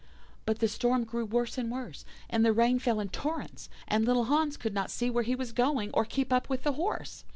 "But the storm grew worse and worse, and the rain fell in torrents, and little Hans could not see where he was going, or keep up with the horse.